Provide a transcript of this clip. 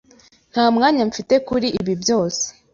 Nta mwanya mfite kuri ibi byose.